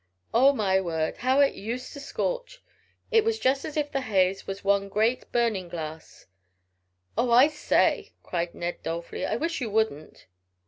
Oh, my word, how it used to scorch! It was just as if the haze was one great burning glass." "Oh, I say," cried Ned dolefully, "I wish you wouldn't."